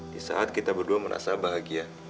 di saat kita berdua merasa bahagia